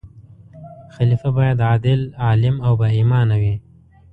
خلیفه باید عادل، عالم او با ایمان وي.